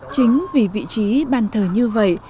chính vì vị trí bàn thờ như vậy